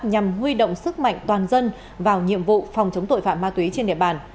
nhằm huy động sức mạnh toàn dân vào nhiệm vụ phòng chống tội phạm ma túy trên địa bàn